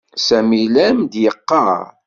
Sami la am-d-yeɣɣar.